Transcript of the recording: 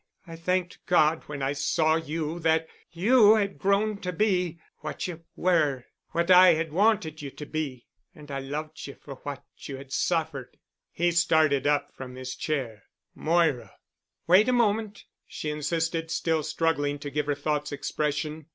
I thanked God when I saw you that you had grown to be—what you were, what I had wanted you to be. And I loved you for what you had suffered." He started up from his chair. "Moira——" "Wait a moment," she insisted, still struggling to give her thoughts expression.